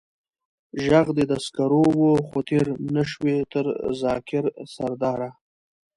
ژغ دې د سکر و، خو تېر نه شوې تر ذاکر سرداره.